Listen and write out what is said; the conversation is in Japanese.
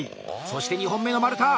そして２本目の丸太！